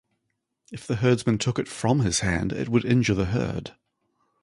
If the herdsman took it from his hand, it would injure the herd.